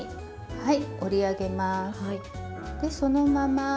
はい。